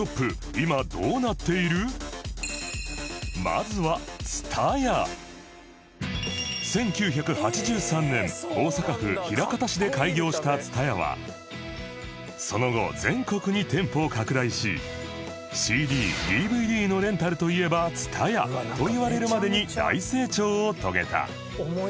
まずは１９８３年大阪府枚方市で開業した ＴＳＵＴＡＹＡ はその後全国に店舗を拡大し ＣＤＤＶＤ のレンタルといえば ＴＳＵＴＡＹＡ といわれるまでに大成長を遂げた